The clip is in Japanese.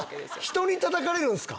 人に叩かれるんすか！